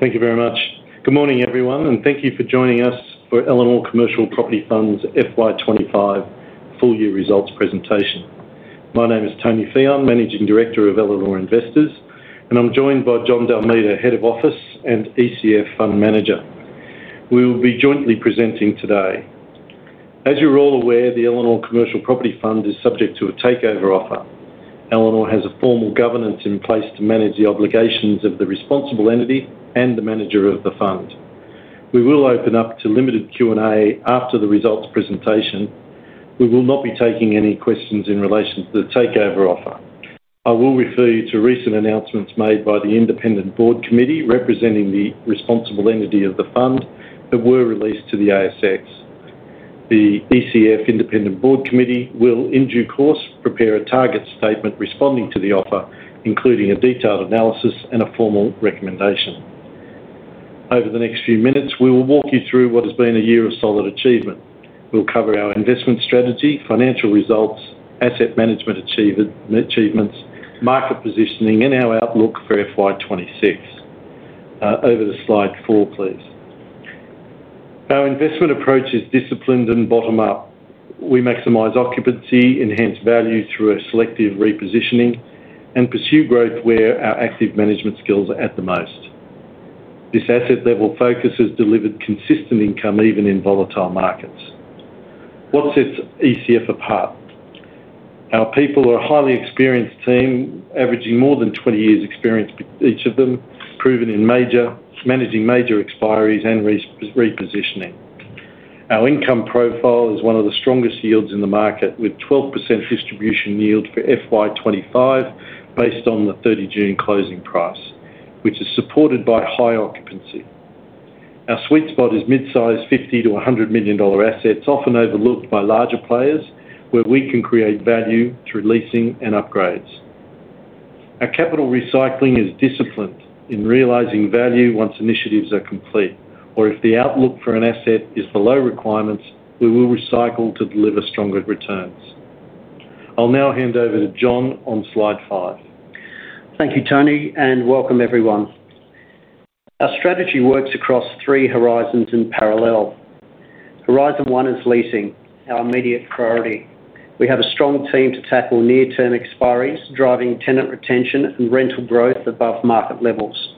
Thank you very much. Good morning, everyone, and thank you for joining us for Elanor Commercial Property Fund's FY 2025 full-year results presentation. My name is Tony Fehon, Managing Director of Elanor Investors, and I'm joined by John d’Almeida, Head of Office and ECF Fund Manager. We will be jointly presenting today. As you're all aware, the Elanor Commercial Property Fund is subject to a takeover offer. Elanor has a formal governance in place to manage the obligations of the responsible entity and the manager of the fund. We will open up to limited Q&A after the results presentation. We will not be taking any questions in relation to the takeover offer. I will refer you to recent announcements made by the Independent Board Committee representing the responsible entity of the fund that were released to the ASX. The ECF Independent Board Committee will, in due course, prepare a target statement responding to the offer, including a detailed analysis and a formal recommendation. Over the next few minutes, we will walk you through what has been a year of solid achievement. We'll cover our investment strategy, financial results, asset management achievements, market positioning, and our outlook for FY 2026. Over to slide four, please. Our investment approach is disciplined and bottom-up. We maximize occupancy, enhance value through a selective repositioning, and pursue growth where our active management skills are at the most. This asset-level focus has delivered consistent income even in volatile markets. What sets ECF apart? Our people are a highly experienced team, averaging more than 20 years' experience with each of them, proven in managing major expiries and repositioning. Our income profile is one of the strongest yields in the market, with a 12% distribution yield for FY 2025 based on the 30 June closing price, which is supported by high occupancy. Our sweet spot is mid-sized $50-$100 million assets, often overlooked by larger players, where we can create value through leasing and upgrades. Our capital recycling is disciplined in realizing value once initiatives are complete, or if the outlook for an asset is below requirements, we will recycle to deliver stronger returns. I'll now hand over to John on slide five. Thank you, Tony, and welcome, everyone. Our strategy works across three horizons in parallel. Horizon one is leasing, our immediate priority. We have a strong team to tackle near-term expiries, driving tenant retention and rental growth above market levels.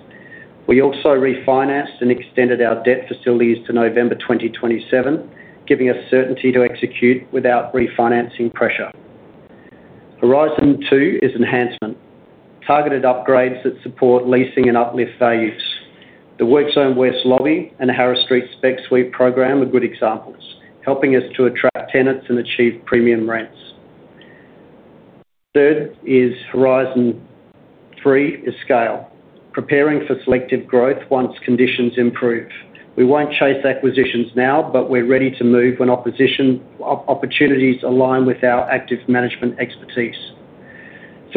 We also refinanced and extended our debt facilities to November 2027, giving us certainty to execute without refinancing pressure. Horizon two is enhancement, targeted upgrades that support leasing and uplift value. The WorkZone West Lobby and the Harris Street Spec Suite program are good examples, helping us to attract tenants and achieve premium rents. Third is Horizon three, scale, preparing for selective growth once conditions improve. We won't chase acquisitions now, but we're ready to move when opportunities align with our active management expertise.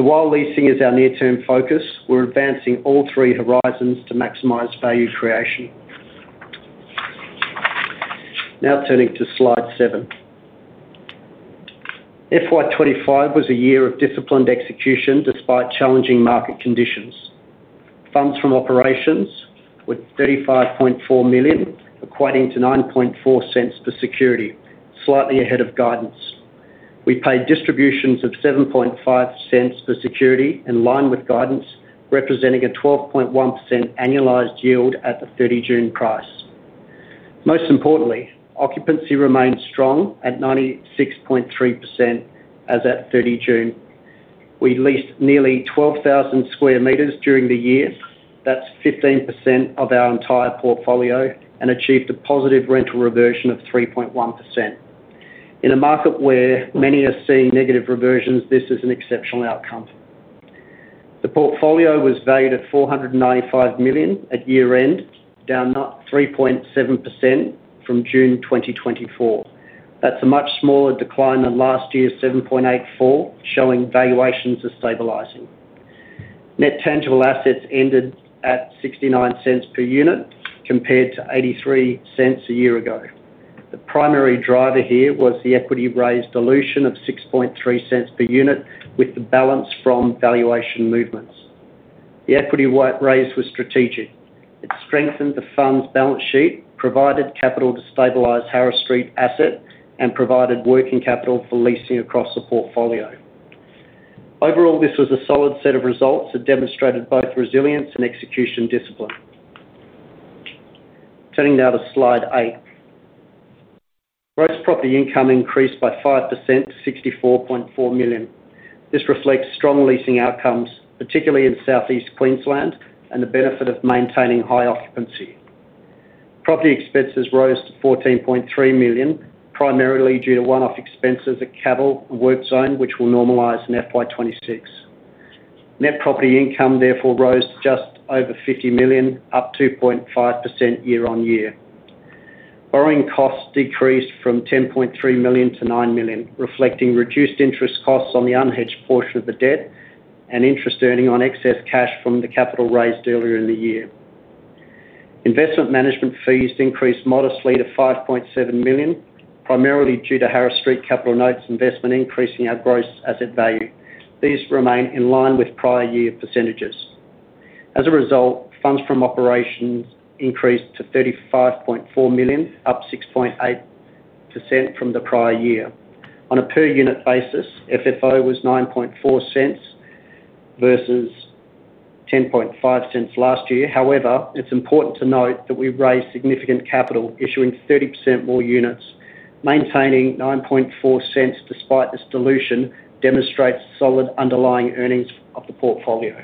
While leasing is our near-term focus, we're advancing all three horizons to maximize value creation. Now turning to slide seven. FY 2025 was a year of disciplined execution despite challenging market conditions. Funds from operations were $35.4 million, equating to $0.094 per security, slightly ahead of guidance. We paid distributions of $0.075 per security in line with guidance, representing a 12.1% annualized yield at the 30 June price. Most importantly, occupancy remained strong at 96.3% as at 30 June. We leased nearly 12,000 square meters during the year. That's 15% of our entire portfolio and achieved a positive rental reversion of 3.1%. In a market where many are seeing negative reversions, this is an exceptional outcome. The portfolio was valued at $495 million at year-end, down 3.7% from June 2024. That's a much smaller decline than last year's 7.84%, showing valuations are stabilizing. Net tangible assets ended at $0.69 per unit, compared to $0.83 a year ago. The primary driver here was the equity raise dilution of $0.063 per unit, with the balance from valuation movements. The equity raise was strategic. It strengthened the fund's balance sheet, provided capital to stabilize the Harris Street asset, and provided working capital for leasing across the portfolio. Overall, this was a solid set of results that demonstrated both resilience and execution discipline. Turning now to slide eight. Gross property income increased by 5% to $64.4 million. This reflects strong leasing outcomes, particularly in Southeast Queensland, and the benefit of maintaining high occupancy. Property expenses rose to $14.3 million, primarily due to one-off expenses at Garema Court and WorkZone West, which will normalize in FY 2026. Net property income therefore rose to just over $50 million, up 2.5% year on year. Borrowing costs decreased from $10.3 million to $9 million, reflecting reduced interest costs on the unhedged portion of the debt and interest earning on excess cash from the capital raised earlier in the year. Investment management fees increased modestly to $5.7 million, primarily due to Harris Street Capital Notes' investment increasing our gross asset value. These remain in line with prior year percentages. As a result, funds from operations increased to $35.4 million, up 6.8% from the prior year. On a per-unit basis, FFO was $0.094 versus $0.105 last year. However, it's important to note that we raised significant capital, issuing 30% more units. Maintaining $0.094 despite this dilution demonstrates solid underlying earnings of the portfolio.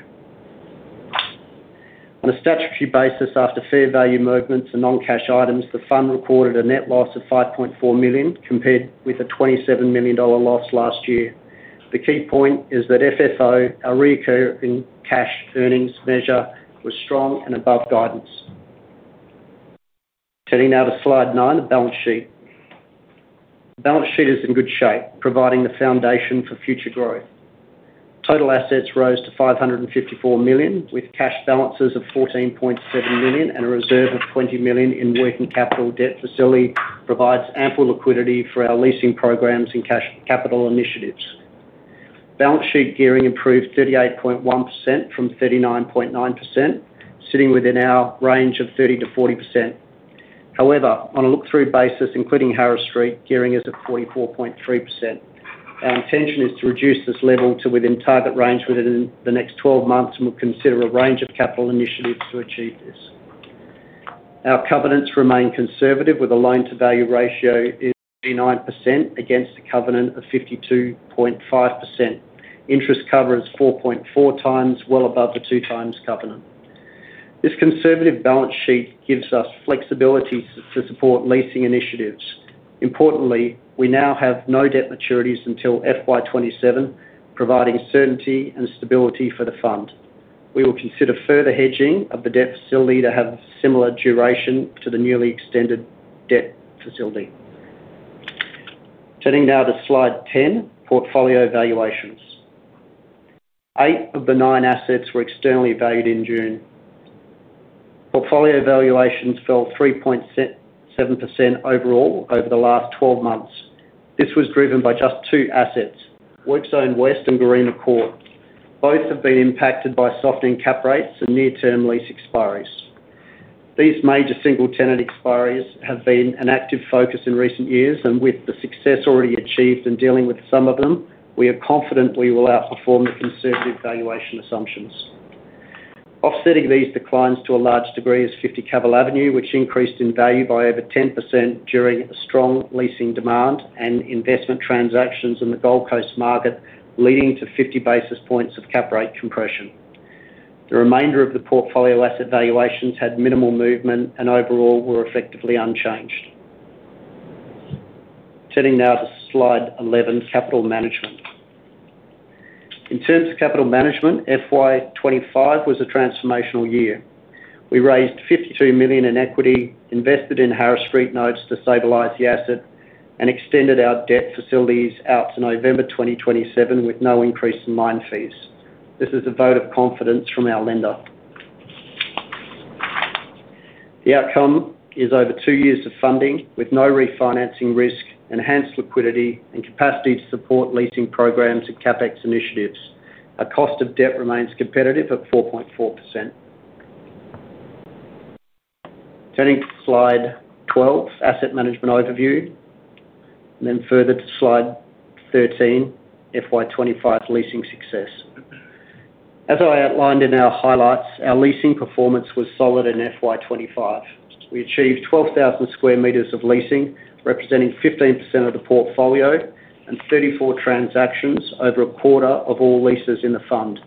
On a statutory basis, after fair value movements and non-cash items, the fund recorded a net loss of $5.4 million, compared with a $27 million loss last year. The key point is that FFO, our recurring cash earnings measure, was strong and above guidance. Turning now to slide nine, the balance sheet. The balance sheet is in good shape, providing the foundation for future growth. Total assets rose to $554 million, with cash balances of $14.7 million and a reserve of $20 million in working capital debt facility provides ample liquidity for our leasing programs and cash capital initiatives. Balance sheet gearing improved to 38.1% from 39.9%, sitting within our range of 30%-40%. However, on a look-through basis, including Harris Street, gearing is at 44.3%. Our intention is to reduce this level to within target range within the next 12 months and will consider a range of capital initiatives to achieve this. Our covenants remain conservative, with a loan-to-value ratio of 48.9% against a covenant of 52.5%. Interest coverage is 4.4 times, well above the two-times covenant. This conservative balance sheet gives us flexibility to support leasing initiatives. Importantly, we now have no debt maturities until FY 2027, providing certainty and stability for the fund. We will consider further hedging of the debt facility to have a similar duration to the newly extended debt facility. Turning now to slide 10, portfolio valuations. Eight of the nine assets were externally valued in June. Portfolio valuations fell 3.7% overall over the last 12 months. This was driven by just two assets, WorkZone West and Garema Court. Both have been impacted by softening cap rates and near-term lease expiries. These major single-tenant expiries have been an active focus in recent years, and with the success already achieved in dealing with some of them, we are confident we will outperform the conservative valuation assumptions. Offsetting these declines to a large degree is 50 Cadle Avenue, which increased in value by over 10% during a strong leasing demand and investment transactions in the Gold Coast market, leading to 50 basis points of cap rate compression. The remainder of the portfolio asset valuations had minimal movement and overall were effectively unchanged. Turning now to slide 11, capital management. In terms of capital management, FY 2025 was a transformational year. We raised $52 million in equity, invested in Harris Street Notes to stabilize the asset, and extended our debt facilities out to November 2027 with no increase in line fees. This is a vote of confidence from our lender. The outcome is over two years of funding with no refinancing risk, enhanced liquidity, and capacity to support leasing programs and CapEx initiatives. Our cost of debt remains competitive at 4.4%. Turning to slide 12, asset management overview. Then further to slide 13, FY 2025 leasing success. As I outlined in our highlights, our leasing performance was solid in FY 2025. We achieved 12,000 square meters of leasing, representing 15% of the portfolio and 34 transactions over a quarter of all leases in the fund.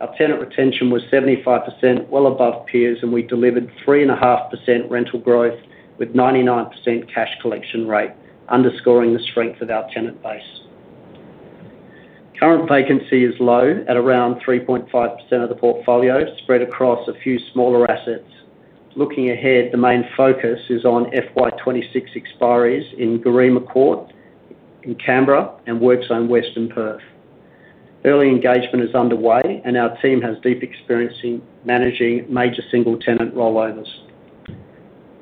Our tenant retention was 75%, well above peers, and we delivered 3.5% rental growth with a 99% cash collection rate, underscoring the strength of our tenant base. Current vacancy is low at around 3.5% of the portfolio, spread across a few smaller assets. Looking ahead, the main focus is on FY 2026 expiries in Garema Court in Canberra and WorkZone West in Perth. Early engagement is underway, and our team has deep experience in managing major single-tenant rollovers.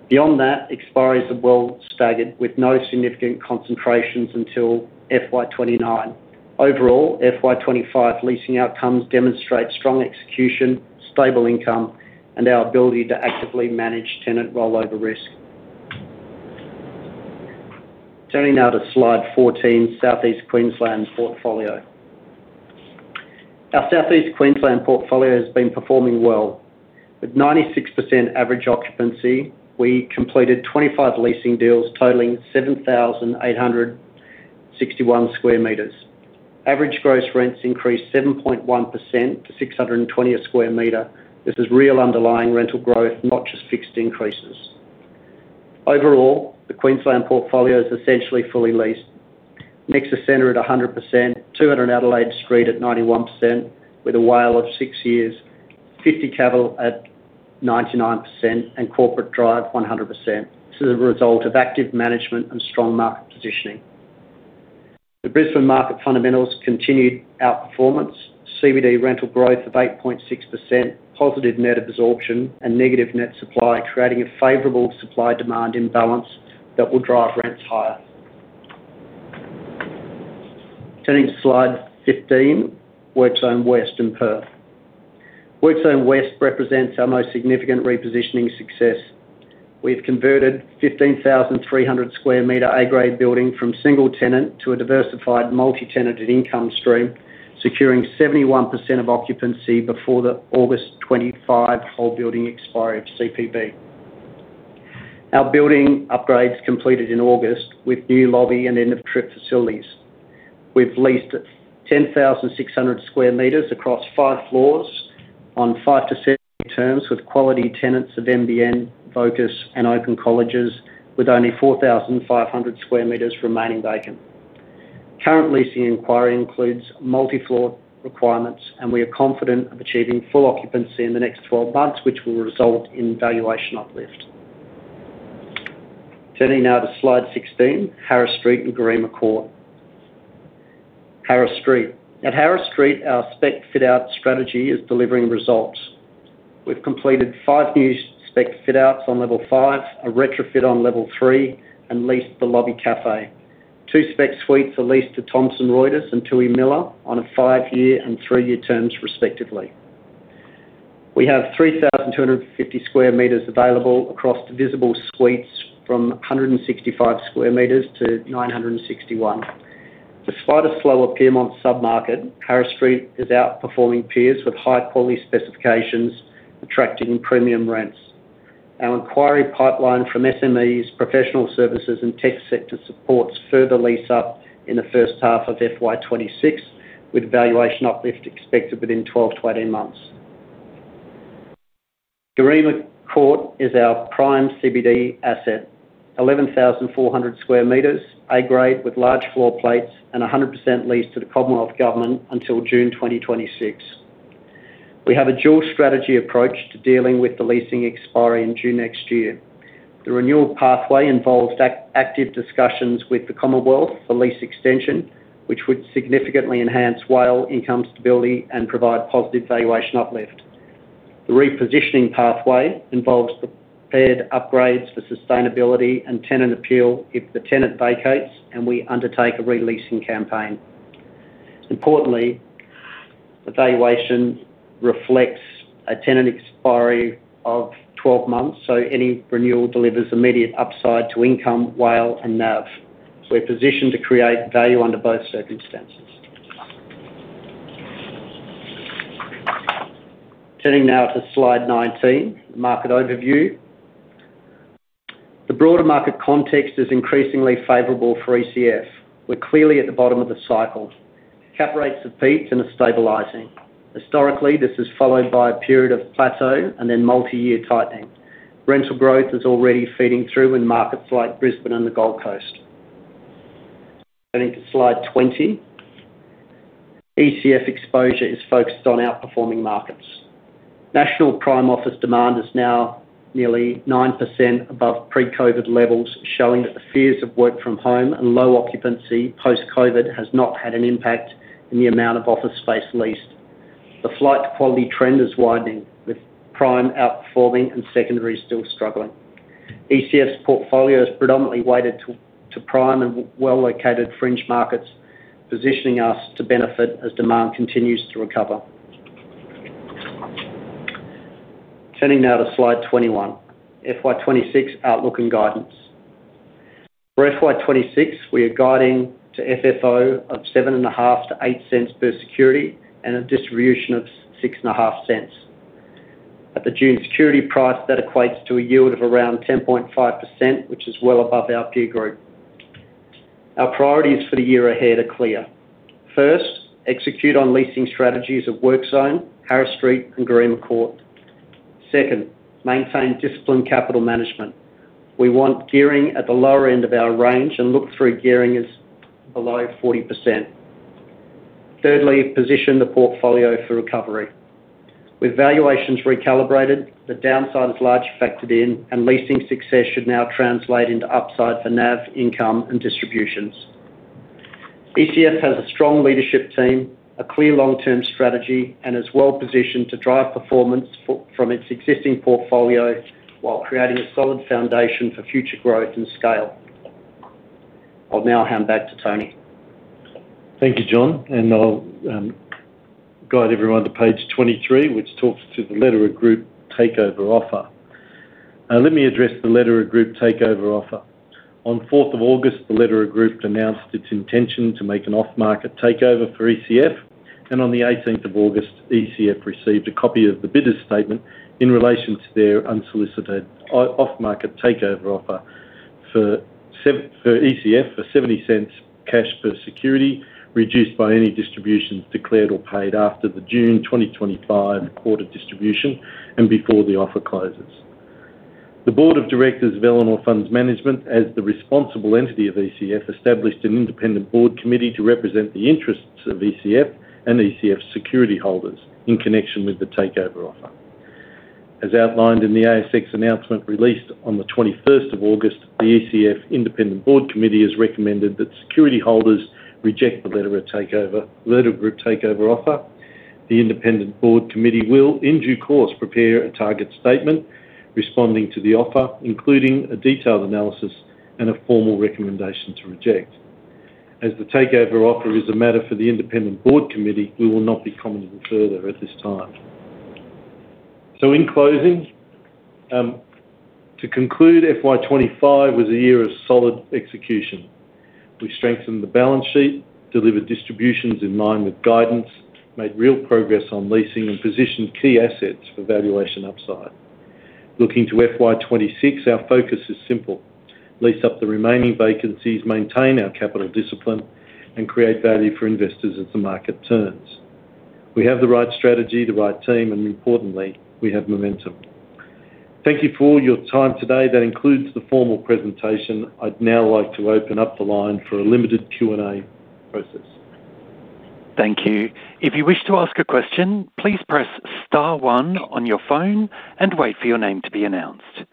Beyond that, expiries are well staggered with no significant concentrations until FY 2029. Overall, FY 2025 leasing outcomes demonstrate strong execution, stable income, and our ability to actively manage tenant rollover risk. Turning now to slide 14, Southeast Queensland's portfolio. Our Southeast Queensland portfolio has been performing well. With 96% average occupancy, we completed 25 leasing deals totaling 7,861 square meters. Average gross rents increased 7.1% to $620 a square meter. This is real underlying rental growth, not just fixed increases. Overall, the Queensland portfolio is essentially fully leased. Nexus Centre at 100%, 200 Adelaide Street at 91%, with a WALE of six years, 50 Cadle at 99%, and Corporate Drive 100%. This is a result of active management and strong market positioning. The Brisbane market fundamentals continued outperformance, CBD rental growth of 8.6%, positive net absorption, and negative net supply, creating a favorable supply-demand imbalance that will drive rents higher. Turning to slide 15, WorkZone West in Perth. WorkZone West represents our most significant repositioning success. We've converted a 15,300 square meter A-grade building from single-tenant to a diversified multi-tenanted income stream, securing 71% of occupancy before the August 25 whole building expiry of CPB. Our building upgrades completed in August, with new lobby and end-of-trip facilities. We've leased 10,600 square meters across five floors on five to seven-year terms with quality tenants of MBN, Vocas, and Open Colleges, with only 4,500 square meters remaining vacant. Current leasing inquiry includes multi-floor requirements, and we are confident of achieving full occupancy in the next 12 months, which will result in valuation uplift. Turning now to slide 16, Harris Street and Gorima Court. Harris Street. At Harris Street, our spec fit-out strategy is delivering results. We've completed five new spec fit-outs on Level 5, a retrofit on Level 3, and leased the lobby cafe. Two spec suites are leased to Thomson Reuters and Toohey Miller on five-year and three-year terms, respectively. We have 3,250 square meters available across the visible suites, from 165 square meters to 961. Despite a slower Pyrmont submarket, Harris Street is outperforming peers with high-quality specifications, attracting premium rents. Our inquiry pipeline from SMEs, professional services, and tech sector supports further lease up in the first half of FY 2026, with valuation uplift expected within 12-18 months. Gorima Court is our prime CBD asset, 11,400 square meters, A-grade with large floor plates and 100% leased to the Commonwealth Government until June 2026. We have a dual strategy approach to dealing with the leasing expiry in June next year. The renewal pathway involves active discussions with the Commonwealth for lease extension, which would significantly enhance WALE income stability and provide positive valuation uplift. The repositioning pathway involves prepared upgrades for sustainability and tenant appeal if the tenant vacates, and we undertake a re-leasing campaign. Importantly, the valuation reflects a tenant expiry of 12 months, so any renewal delivers immediate upside to income, WALE, and NAV. We're positioned to create value under both circumstances. Turning now to slide 19, the market overview. The broader market context is increasingly favorable for ECF. We're clearly at the bottom of the cycle. The cap rates have peaked and are stabilizing. Historically, this is followed by a period of plateau and then multi-year tightening. Rental growth is already feeding through in markets like Brisbane and the Gold Coast. Turning to slide 20. ECF exposure is focused on outperforming markets. National Prime Office demand is now nearly 9% above pre-COVID levels, showing that the fears of work from home and low occupancy post-COVID have not had an impact in the amount of office space leased. The flight to quality trend is widening, with Prime outperforming and secondary still struggling. ECF's portfolio is predominantly weighted to Prime and well-located fringe markets, positioning us to benefit as demand continues to recover. Turning now to slide 21, FY 2026 outlook and guidance. For FY 2026, we are guiding to FFO of $0.075-$0.08 per security and a distribution of $0.065. At the June security price, that equates to a yield of around 10.5%, which is well above our peer group. Our priorities for the year ahead are clear. First, execute on leasing strategies at WorkZone, Harris Street, and Garema Court. Second, maintain disciplined capital management. We want gearing at the lower end of our range and look-through gearing as below 40%. Thirdly, position the portfolio for recovery. With valuations recalibrated, the downside is largely factored in, and leasing success should now translate into upside for NAV, income, and distributions. ECF has a strong leadership team, a clear long-term strategy, and is well-positioned to drive performance from its existing portfolio while creating a solid foundation for future growth and scale. I'll now hand back to Tony. Thank you, John, and I'll guide everyone to page 23, which talks through the Lederer Group takeover offer. Let me address the Lederer Group takeover offer. On August 4th, the Lederer Group announced its intention to make an off-market takeover for ECF, and on August 18, ECF received a copy of the bidder's statement in relation to their unsolicited off-market takeover offer for ECF for $0.70 cash per security, reduced by any distributions declared or paid after the June 2025 quarter distribution and before the offer closes. The Board of Directors of Elanor Funds Management, as the responsible entity of ECF, established an independent board committee to represent the interests of ECF and ECF security holders in connection with the takeover offer. As outlined in the ASX announcement released on August 21st, the ECF Independent Board Committee has recommended that security holders reject the Lederer Group takeover offer. The Independent Board Committee will, in due course, prepare a target statement responding to the offer, including a detailed analysis and a formal recommendation to reject. As the takeover offer is a matter for the Independent Board Committee, we will not be commenting further at this time. To conclude, FY 2025 was a year of solid execution. We strengthened the balance sheet, delivered distributions in line with guidance, made real progress on leasing, and positioned key assets for valuation upside. Looking to FY 2026, our focus is simple: lease up the remaining vacancies, maintain our capital discipline, and create value for investors as the market turns. We have the right strategy, the right team, and importantly, we have momentum. Thank you for your time today. That includes the formal presentation. I'd now like to open up the line for a limited Q&A process. Thank you. If you wish to ask a question, please press star one on your phone and wait for your name to be announced.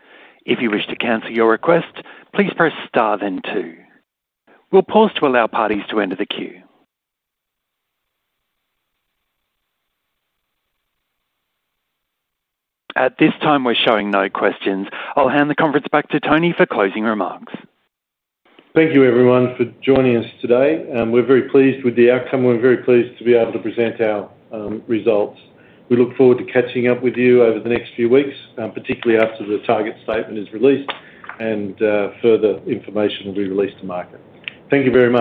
If you wish to cancel your request, please press star then two. We'll pause to allow parties to enter the queue. At this time, we're showing no questions. I'll hand the conference back to Tony Fehon for closing remarks. Thank you, everyone, for joining us today. We're very pleased with the outcome and to be able to present our results. We look forward to catching up with you over the next few weeks, particularly after the target statement is released, and further information will be released to market. Thank you very much.